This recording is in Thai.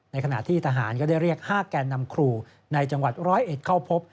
ขณะที่ทหารก็ได้เรียก๕แก่นำครูในจังหวัดร้อยเอ็ดเข้าพบ